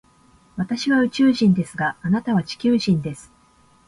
私は宇宙人ですが、あなたは地球人です。